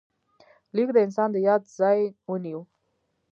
لیک د انسان د یاد ځای ونیو.